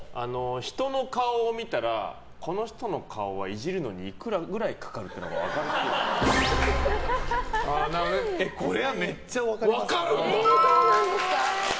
人の顔を見たらこの人の顔はいじるのにいくらくらいかかるのかこれはめっちゃ分かります。